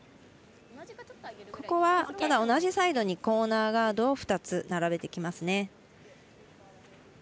ここは同じサイドにコーナーガードを２つ並べてきますね。